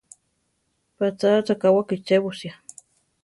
Patzá achá wakichébosia.